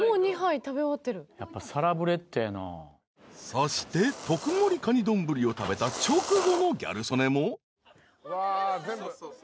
［そして特盛りカニ丼を食べた直後のギャル曽根も］